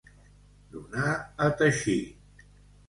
Donar a teixir.